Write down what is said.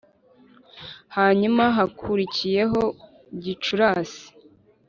hanyuma hakurikiyeho gicurasi,